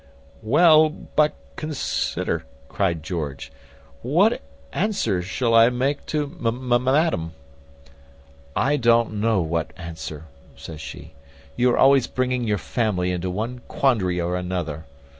"Well, but consider," cried George, "what answer shall I make to madam?" "I don't know what answer," says she; "you are always bringing your family into one quandary or other.